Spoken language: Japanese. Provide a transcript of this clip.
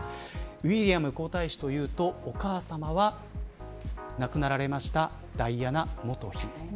ウィリアム皇太子というとお母さまは亡くなられましたダイアナ元妃。